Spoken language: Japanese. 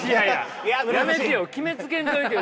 やめてよ決めつけんといてよ。